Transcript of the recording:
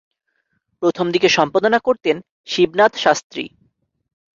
প্রথম দিকে সম্পাদনা করতেন শিবনাথ শাস্ত্রী।